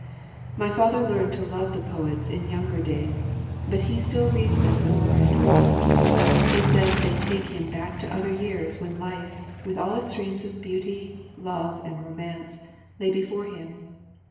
My father learned to love the poets in younger days, but he still reads them o'er and o'er. He says they take him back to other years when life with all its dreams of beauty, love, and romance, lay before him.